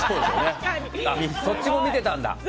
そっちも見てたんだ。